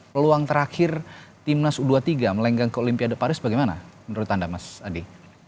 peluang terakhir timnas u dua puluh tiga melenggang ke olimpiade paris bagaimana menurut anda mas adi